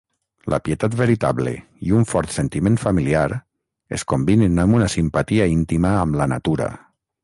La pietat veritable i un fort sentiment familiar es combinen amb una simpatia íntima amb la natura.